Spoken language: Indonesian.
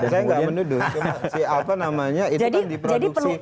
saya nggak menuduh cuma si apa namanya itu kan diproduksi